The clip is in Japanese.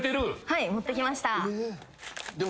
はい持ってきました。